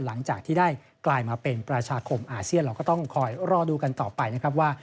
หลังจากที่ได้กลายมาเป็นประชาคมอาเซียนเราก็ต้องคอยรอดูกันต่อไปนะครับว่า